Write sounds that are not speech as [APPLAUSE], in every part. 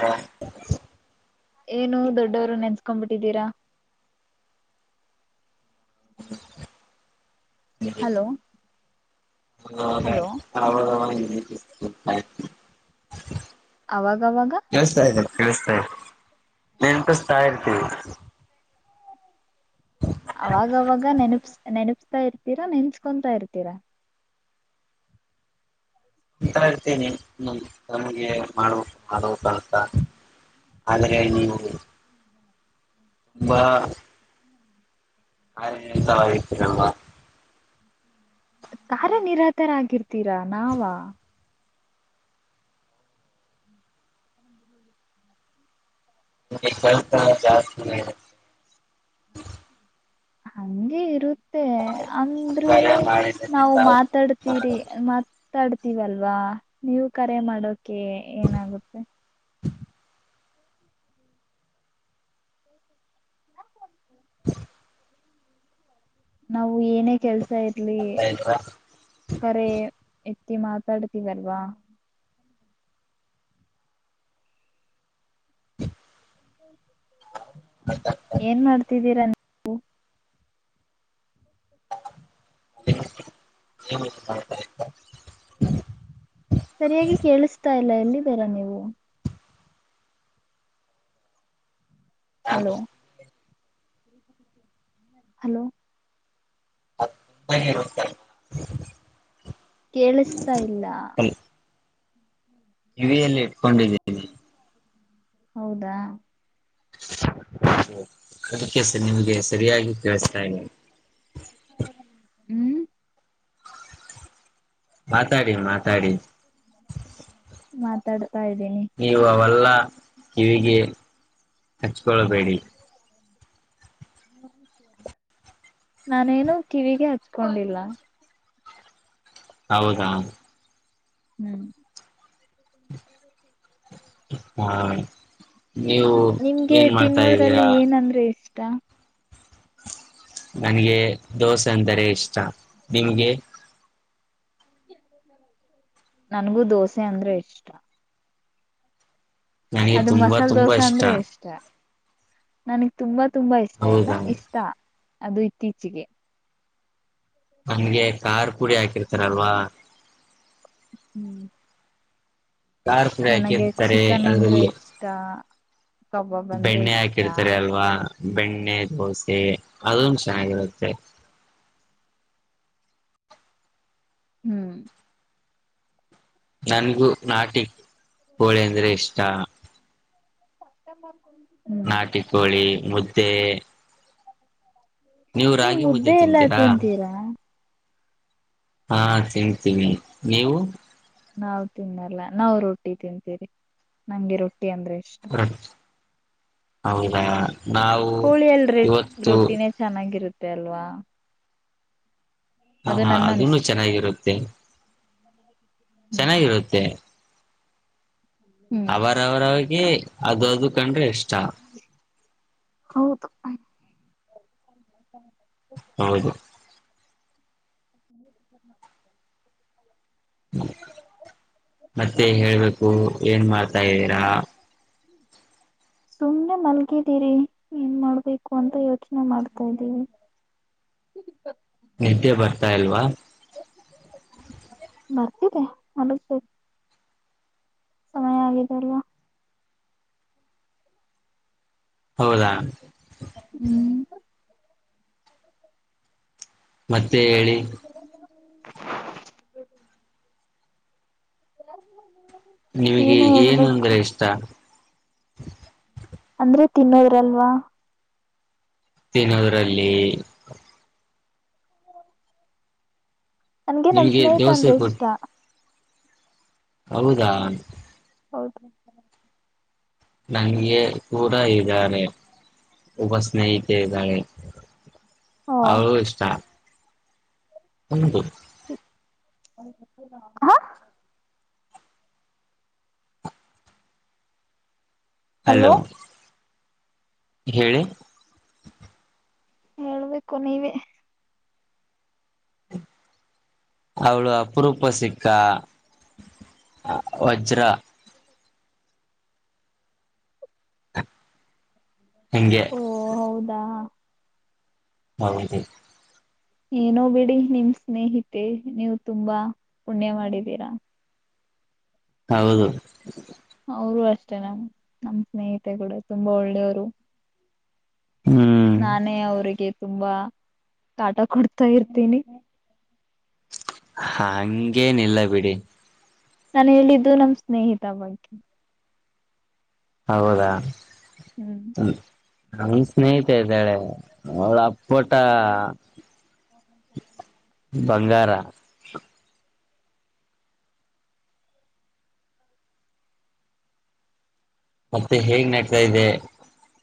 ಸ. ಏನು ದೊಡ್ಡವರು ನೆನ್ಸ್ಕೊ್ಬಿಟ್ಟಿದ್ದೀರಾ. [UNINTELLIGIBLE] ಹಲೋ ಹೌದ ಹಲೋ ಹ ಅವಾಗವಾಗ ತಿಳಿಸ್ತಾ ಇ ನೆನಪಿಸ್ತಾ ಇರ್ತೀವಿ. ಅವಾಗವಾಗ ನೆನಪಸ್ ನೆನಪತಾ ಇರ್ತೀರಾ ನೆನ್ಸ್ಕೊಂತಾ ಇರ್ತೀರಾ. ಅಂತ ಇರ್ತೇನಿ ನಮಗೆ ಮಾಡ ಮಾಡೋ ಅರ್ಥ ಆದ್ರೆ ನೀವು ಒಬಾ. ಹ ಎಂತ ವರ ಇರತರಲ್ಲ. ಕಾರ್ಯನಿರಾತರ ಆಗರ್ತೀರಾ ನಾವ [UNINTELLIGIBLE] ಹಂಗೆ ಇರು. ಮತ್ತೆ ಕಾರ್ಯ ಅಂದ್ರುನು ಮಾಡಿದರೆ ನಾವು ತಾವು ಮಾತಾಡ್ತೀರಿ ಮಾಡ್ತಾ ಮಾತಾಡ್ ಇವಲ್ವಾ ನೀವು ಕರೆ ಮಾಡೋಕೆ ಏನಾಗುತ್ತೆ. ನಾವು. ಏನೇ ಕೆಲ್ಸ ಇರ್ಲಿ ಇದ್ರ ಕರೆ. ತ್ತಿ ಮಾತಾಡ್ತೀವರ್ವಾ. [INAUDIBLE] [INAUDIBLE] ಏನ್ ಮಾಡ್ತಿದ್ದೀರಾ ನೀವು. [UNINTELLIGIBLE] ಸರಿಯಾಗಿ ಕೇಳಿಸತಾ ಇಲ್ಲ ಎಲ್ಲಿ ಇದಿರಾ ನೀವು. ನಾನು ಹಲೋ. ಹಲೋ [INAUDIBLE] ಕೇಳಿಸ್ತಾ ಇಲ್ಲ. ಕಿವಿಯಲ್ಲಿ ಇಟ್ಕೊಂಡಿದ್ದೀನಿ. ಹೌದಾ. ಅದಕ್ಕೆ ಸರ್ ನಿಮ್ಗೆ ಸರಿಯಾಗಿ ಕೇಳಸ್ತಾ ಇದೆನಾ. ಹ್ಮ್. ಮಾತಾಡಿ ಮಾತಾಡಿ. ಮಾತಾಡು. ನೀವು ಅವೆಲ್ಲ ಕಿವಿಗೆ. ಹಚ್ಕೊಳ್ಬೇಡಿ. ನಾನೇನು ಕಿವಿಗೆ ಹಚ್ಕೊಂಡಿಲ್ಲ. ಹೌದಾ. ಹ್ಮ್. ಹ್ಮ. ನಿಮ್ಗೆ ತಿನ್ನೋದ್ರಲ್ಲಿ ಏನಂದ್ರೆ ಇಷ್ಟ. [UNINTELLIGIBLE] ನನ್ಗೆ ದೋಸೆ ಅಂದರೆ ಇಷ್ಟ ನಿಮ್ಗೆ. ನನ್ಗೂ ದೋಸೆ ಅಂದ್ರೆ ಇಷ್ಟ. ನನಗೆ ಅದು ತುಂಬಾ ಮಸಾಲೆ ತುಂಬಾ ದೋಸೆ ಅಂದ್ರೆ ಇಷ್ಟ. ನನಗ್ ತುಂಬಾ. ತುಂಬಾ ಇಷ್ಟ ಎಲ್ಲ ಹೌದಾ ಇಷ್ಟ. ಅದು ಇತ್ತೀಚಿಗೆ ನಂಗೆ ಕಾರಪುಡಿ ಹಾಕಿರ್ತಾರಲ್ವಾ ಹು ಕಾರಪುಡಿ ಹಾಕಿರ್ತಾರೆ ಚಿಕನ್ ಅಂದ್ರೆ ಅದರಲ್ಲಿ ಇಷ್ಟ ಕಬಾಬ್ ಅಂದ್ರೆ ಬೆಣ್ಣೆ ಇಷ್ಟ ಹಾಕಿರ್ತಾರೆ ಅಲ್ವಾ ಬೆಣ್ಣೆ ದೋಸೆ ಅದೊಂದು ಚೆನ್ನಾಗಿರುತ್ತೆ ಹು ನನಗೂ ನಾಟಿ ಕೋಳಿ ಅಂದ್ರೆ ಇಷ್ಟ ಮತ್ತೆ ಮತ್ತ ನಾಟಿ ಕೋಳಿ ಮುದ್ದೆ ನೀವು ನೀವ ರಾಗಿ ಮುದ್ದೆ ಎಲ್ಲಾ ತಿಂತೀರಾ ತಿಂತಿರಾ ಹಾ ತಿಂತೀನಿ ನೀವು ನಾವ ತಿನ್ನಲ್ಲ ನಾವು ರೊಟ್ಟಿ ತಿಂತೀವಿ ನಂಗೆ ರೊಟ್ಟಿ ರೊಟ್ಟಿ ಅಂದ್ರೆ ಇಷ್ಟ ರೊಟ್ಟಿ ಹೌದಾ ನಾವು ಕೋಳಿ ಅಲ್ರಿ ಇವತ್ತು ರೊಟ್ಟಿನೇ ಚೆನ್ನಾಗಿರುತ್ತೆ ಅಲ್ವಾ ಹಾ ಅದು ಹಾ ನನ್ನ ಅದನ್ನು ಅನಿಸಿಕೆ ಚೆನ್ನಾಗಿರುತ್ತೆ ಹ್ಮ್ ಚೆನ್ನಾಗಿರುತ್ತೆ ಹ್ಮ್ ಅವರ ಅವರ ಅವಗೆ ಅದು ಅದು ಕಂಡ್ರೆ ಇಷ್ಟ ಹೌದು ಹೌದು ಹ ಮತ್ತೆ ಹೇಳ್ಬೇಕು ಏನ್ ಮಾಡ್ತಾ ಇದ್ದೀರಾ ಸುಮ್ನೆ ಮಲಗಿದ್ದೀನಿ ಮನ್ಗಿದೀರಿ ಏನ್ ಮಾಡ್ಬೇಕು ಅಂತ ಯೋಚನೆ ಮಾಡ್ತಾ ಇದೀನಿ ನಿದ್ದೆ ಬರ್ತಾ ಇಲ್ವಾ ಬರ್ತಿದೆ ಅನಸತ ಸಮಯ ಆಗಿದೆ ಅಲ್ವಾ ಹೌದಾ ಹೂ ಮತ್ತ ಮತ್ತೆ ಹೇಳಿ ಎಲ್ ಹೋದೆ ನಿಮಗೆ ಏನು ಅಂದ್ರೆ ಇಷ್ಟ ಹ ಅಂದ್ರೆ ತಿನ್ನೋದ್ರಲ್ವಾ ತಿನ್ನೋದ್ರಲ್ಲಿ- ನನ್ಗೆ ನನ್ ನಿಮ್ಗೆ ಸ್ನೇಹಿತ ದೋಸೆ ಅಂದ್ರೆ ಕೊಟ್ ಇಷ್ಟ ಹೌದಾ ಹೌದು ನಂಗೆ ಕೂಡ ಇದ್ದಾರೆೆ ಒಬ್ಬ ಸ್ನೇಹಿತೆ ಇದ್ದಾನೆ ಓ ಅವ್ಳ್ ಇಷ್ಟ ಹದು [UNINTELLIGIBLE] ಹಾ ಹಲೋ ಹೇಳಿ ಹೇಳ್ಬೇಕು ನೀವೆ ಅವಳು ಅಪರೂಪ ಸಿಕ್ಕ ವಜ್ರ ಹೆಂಗೆ ದಾ ಬ [UNINTELLIGIBLE] ಏನೋ ಬಿಡಿ ನಿಮ್ ಸ್ನೇಹಿತೆ ನೀವು ತುಂಬಾ ಪುಣ್ಯ ಮಾಡಿದೀರಾ ಹೌದು ಅವರು ಅಷ್ಟೇ ನ ನಮ್ ನಮ ಸ್ನೇಹಿತೆ ಕೂಡ ತುಂಬಾ ಒಳ್ಳೆಯವರು ಹ್ಮ್ ನಾನೇ ಅವ್ರಿಗೆ ತುಂಬಾ ಕಾಟ ಕೊಡ್ತಾ ಇರ್ತೀನಿ ಹ ಹಂಗೇನಿಲ್ಲ ಬಿಡಿ ನಾನ್ ಹೇಳಿದ್ದು ನಮ್ ಸ್ನೇಹಿತ ಬಗ್ಗೆ ಹೌದಾ ಹ್ಮ್ ನಮ್ ಸ್ನೇಹಿತ ಇದ್ದಾಳೆ ಅವಳ ಅಪ್ಪಟ ಹ [INAUDIBLE] ಬಂಗಾರ ಮತ್ತೆ ಹೇಗ್ ನೆಡ್ತಾ ಇದೆ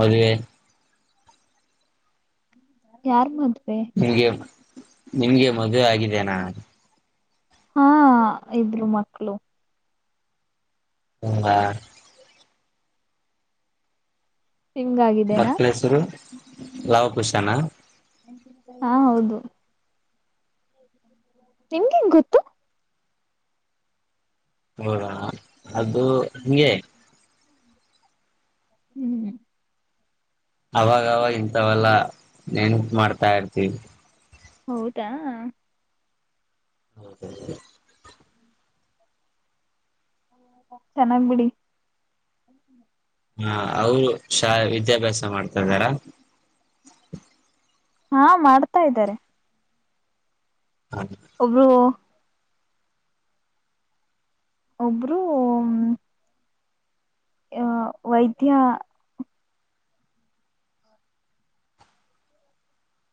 ಮದ್ವೆ ಯಾರ್ ಮದ್ ನಿಗೆ [UNINTELLIGIBLE] ನಿನ್ಗೆ ಮದುವೆ ಆಗಿದೆೇನಾ ಹಾ ಇಬ್ರು ಮಕ್ಳು ಹಾ [UNINTELLIGIBLE] ನಿಮ್ಗಾಗಿದ್ದೇನಾ ಮಕ್ಲ್ ಹೆಸರು ಲವಕುಷ್ ಚನ್ನ [UNINTELLIGIBLE] ಹಾ ಹೌದು ನಿಮ್ಗೆ ಹೆಂಗ್ ಗೊತ್ತು ಹೌದಾ ಅದು ಹಂಗೆ ಹ್ಮ್ ಅವಾಗವಾಗ ಇಂತವಲ್ಲ ನೆನಪು ಮಾಡ್ತಾ ಇರ್ತಿವಿ ಹೌದಾ [INAUDIBLE] ಚೆನ್ನಾಗ್ ಬಿಡಿ ಹಾ ಅವರು ಶಾ ವಿದ್ಯಾಭ್ಯಾಸ ಮಾಡ್ತಾಯಿದಾರ ಹಾ ಮಾಡ್ತಾ ಇದ್ದಾರೆ ಹ್ಮ ಒಬ್ರು ಒಬ್ಬ್ರು ಅ ವೈದ್ಯ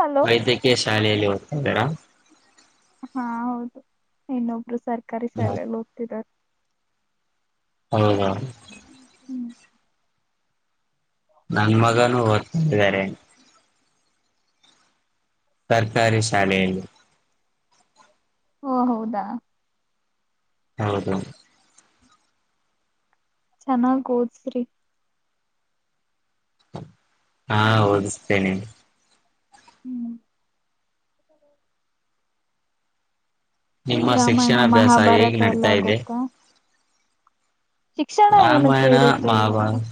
ಹಲೋ ವೈದ್ಯಕಿಯ ಶಾಲೆಯಲ್ಲಿ ಹ ದರಾ ಹಾ ಹೌದು ಇನ್ನೊಬ್ರು ಸರ್ ಕರಿಸಲೆ ಎಲ್ಲ ಹೋಗ್ತಿದ್ದಾರೆ ಹೌ ಹಾ ಹ್ಮ ಹ್ಮ್ ನನ್ ಮಗನುೂ ಓದ್ತಾ ಇದಿದ್ದಾರೆ ಸರ್ಕಾರಿ ಶಾಲೆಯಲ್ಲಿ ಓ ಹೌದಾ ಹೌದು ಚೆನ್ನಾಗ್ ಓದ್ ಸ್ರಿ ಹಾ ಓದಿಸ್ತೇನೆ ಹ್ಮ್ ನಿಮ್ ನಿಮ್ಮ ರಾಮಾಯಣ ಶಿಕ್ಷಣಾಭ್ಯಾಸ ಹೇಗ್ ಮಹಾಭಾರತ ನಡೀತಾ ಎಲ್ಲ ಇದೆ ಗೊತ್ತಾ ಶಿಕ್ಷಣ ಏನಕ್ಕೆ ರಾಮಾಯಣ ಇರುತ್ತೆ ಇವಾಗ ಮಹಾಭಾರತ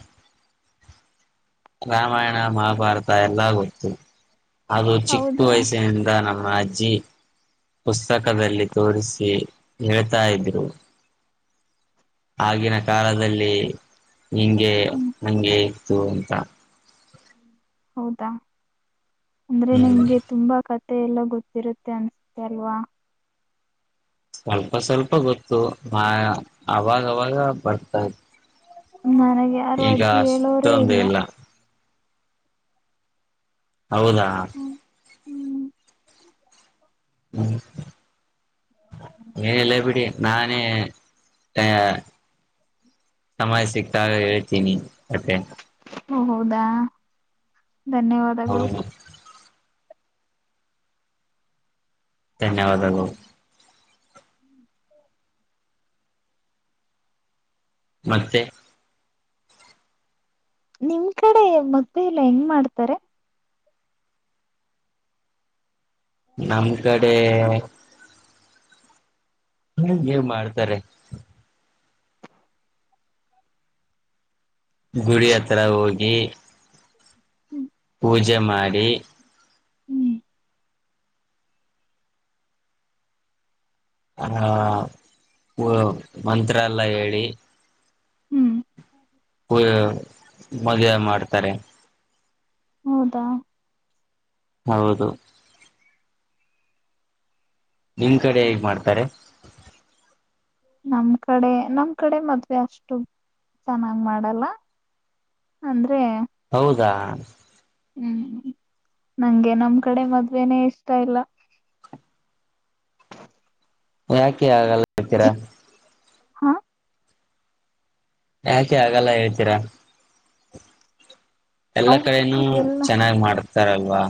ರಾಮಾಯಣ ಮಹಾಭಾರತ ಎಲ್ಲ ಗೊತ್ತು ಅದು ಚಿಕ್ಕ ಹೌದಾ ವಯಸ್ಸಿನಿಂದ ನಮ ಅಜ್ಜಿ ಪುಸ್ತಕದಲ್ಲಿ ತೋರಿಸಿ ಹೇಳ್ತಾ ಇದ್ರು ಆಗಿನ ಕಾಲದಲ್ಲಿ ಹಿಂಗೆ ಹ್ಮ್ ಹಂಗೆ ಇತ್ತು ಅಂತ ಹೌದಾ ಅಂದ್ರೆ ಹ್ಮ್ ನಿಮ್ಗೆ ತುಂಬಾ ಕ ಮತ್ತೆ ಎಲ್ಲ ಗೊತ್ತಿರುತ್ತೆ ಅನ್ಸುತ್ತೆ ಅಲ್ವಾ ಸ್ವಲ್ಪ ಸ್ವಲ್ಪ ಗೊತ್ತು ಮಾ ಅವಾಗವಾಗ ಬರ್ತಾ ನನಗೆ ಆರು ಈಗ ಅಜ್ಜಿ ಏಳೋರೇ ಅಷ್ಟೊಂದು ಇಲ್ಲ ಹೌದಾ ಹ್ಮ್ ಹ್ಮ್ ಹ್ಮ ಏನೆಲ್ಲ ಬಿಡಿ ನಾನೇ ಆ ಸಮಯ ಸಿಕ್ತಾಗ ಹೇಳ್ತೀನಿ ಅತೆ ಓ ಹೌದಾ ಧನ್ಯವಾದಗಳು ಹೌದು ಧನ್ಯವಾದಗಳು. ಮತ್ತೆ. ನಿಮ್ ಕಡೆ ಮದ್ವೆ ಇಲ್ಲ ಹೆಂಗ ಮಾಡ್ತಾರೆ. ನಮ್ ಕಡೆ ಹೇ ಮಾಡ್ತಾರೆ ಗುಡಿ ಹತ್ರರ ಹೋಗಿ. ಹ್ಮ್. ಪೂಜೆ ಮಾಡಿ. ಹ್ಮ್ ಹ. ಹ ಮಂತ್ರ ಎಲ್ಲ ಹೇಳಿ ಹ್ಮ್ ಹ ಮಜಾ ಮಾಡ್ತಾರೆ ಹೌದಾ ಹೌದು. ನಿಮ್ ಕಡೆ. ಮಾಡ್ತಾರೆ. ನಮ್ ಕಡೆ ನಮ್ ಕಡೆ ಮದ್ವೆ ಅಷ್ಟು ಚೆನ್ನಾಗ್ ಮಾಡಲ್ಲ ಅಂದ್ರೆ ಹೌದಾ ಹ್ಮ್ ನಂಗೆ ನಮ್ ಕಡೆ ಮದ್ವೆೇನೆೇ ಇಷ್ಟ ಇಲ್ಲ ಯಾಕೆ ಆಗಲ್ಲ ಇರ್ತೀರಾ ಹಾ ಯಾಕೆ ಆಗಲ್ಲ ಹೇಳ್ತೀರಾ ಎಲ್ಲ ಕಡೆನೂ ಅವ್ರ ಎಲ್ಲ ಚೆನ್ನಾಗ್ ಮಾಡತ ಸರಲ್ವಾ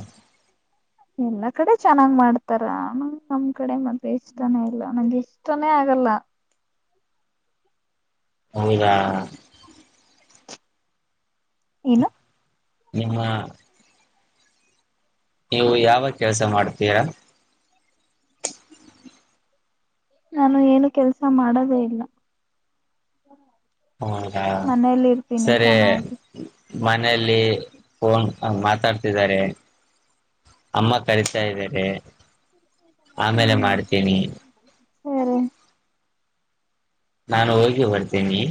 ಎಲ್ಲಾ ಕಡೆ ಚೆನ್ನಾಗ್ ಮಾಡ್ತಾರ ನ ನಮ್ ಕಡೆ ಮತ್ತೆ ಇಷ್ಟಾನೇ ಇಲ್ಲ ನಂಗೆ ಇಷ್ಟಾನೇ ಆಗಲ್ಲ ಹೌದಾ ಏನು ನಿಮ್ಮ ನೀವು ಯಾವ ಕೆಲ್ಸ ಮಾಡ್ತೀರಾ ನಾನು ಏನು ಕೆಲ್ಸ ಮಾಡದೇ ಇಲ್ಲ ಹೌದಾ ಮನೇಲಿ ಇರ್ತೀನಿ ಸರಿ ಚೆನ್ನಾಗಿ ಮನೆಯಲ್ಲಿ ಫೋನ್ ಮಾತಾಡ್ತಿದ್ದಾರೆ ಅಮ್ಮ ಕರಿತಾ ಇದಾರೆ ಆಮೇಲೆ ಹ್ಮ್ ಮಾಡ್ತೀನಿ ಸರಿ ನಾನು ಹೋಗಿ ಬರ್ತೇನಿ